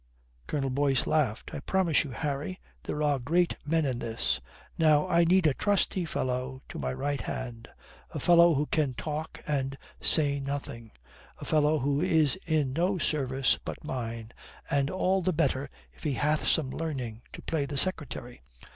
Colonel Boyce laughed. I promise you, Harry, there are great men in this. Now I need a trusty fellow to my right hand: a fellow who can talk and say nothing: a fellow who is in no service but mine: and all the better if he hath some learning to play the secretary.